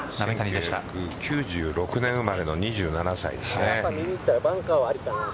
９６年生まれの２７歳ですね。